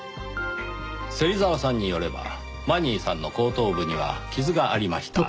芹沢さんによればマニーさんの後頭部には傷がありました。